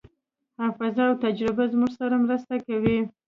حافظه او تجربه موږ سره مرسته کوي.